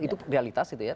itu realitas gitu ya